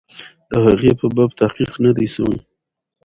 د هغې په باب تحقیق نه دی سوی.